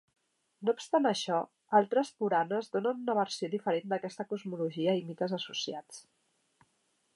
No obstant això, altres puranas donen una versió diferent d'aquesta cosmologia i mites associats.